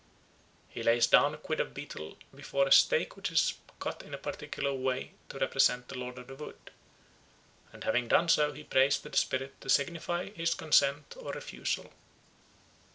He lays down a quid of betel before a stake which is cut in a particular way to represent the Lord of the Wood, and having done so he prays to the spirit to signify his consent or refusal.